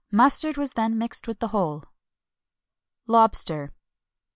Mustard was then mixed with the whole.[XXI 263] LOBSTER.